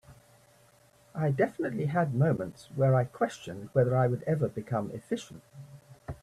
I definitely had moments where I questioned whether I would ever become efficient.